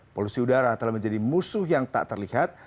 polusi udara telah menjadi musuh yang tak terlihat